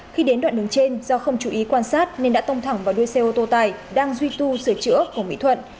khi đến đoạn đường trên do không chú ý quan sát nên đã tông thẳng vào đuôi xe ô tô tải đang duy tu sửa chữa của nguyễn thuận